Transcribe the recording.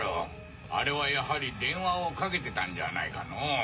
あれはやはり電話をかけてたんじゃないかのぉ？